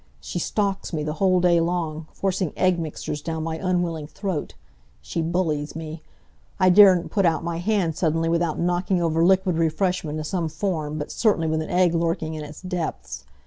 She stalks me the whole day long, forcing egg mixtures down my unwilling throat. She bullies me. I daren't put out my hand suddenly without knocking over liquid refreshment in some form, but certainly with an egg lurking in its depths.